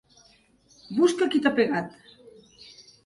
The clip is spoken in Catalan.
Busca qui t'ha pegat!